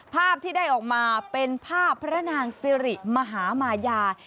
ภาพที่ได้ออกมาเป็นภาพพระนางสิริมหามายา